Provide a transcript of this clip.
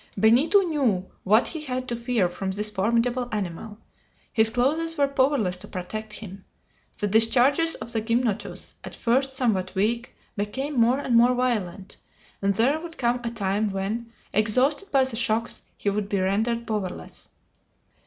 Benito knew what he had to fear from this formidable animal. His clothes were powerless to protect him. The discharges of the gymnotus, at first somewhat weak, become more and more violent, and there would come a time when, exhausted by the shocks, he would be rendered powerless.